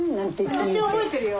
私は覚えてるよ。